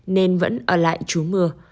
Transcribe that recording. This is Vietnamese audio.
nên vẫn ở lại trú mưa